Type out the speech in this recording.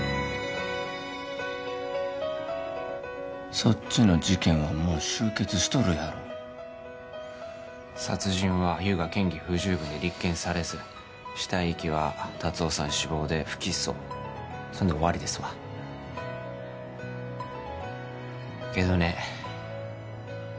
そっちの事件はもう終結しとるやろ殺人は優が嫌疑不十分で立件されず死体遺棄は達雄さん死亡で不起訴そんで終わりですわけどね